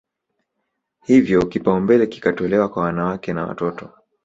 Hivyo kipaumbele kikatolewa kwa wanawake na watoto